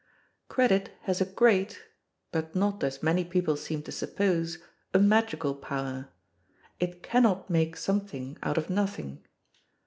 Credit has a great, but not, as many people seem to suppose, a magical power; it can not make something out of nothing.